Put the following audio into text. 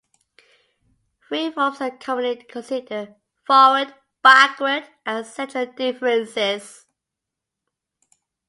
Three forms are commonly considered: forward, backward, and central differences.